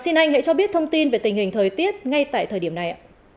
xin anh hãy cho biết thông tin về tình hình thời tiết ngay tại thời điểm này ạ